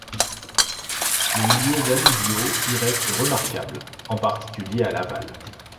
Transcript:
Les milieux alluviaux y restent remarquables, en particulier à l'aval.